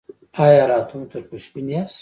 ایا راتلونکي ته خوشبین یاست؟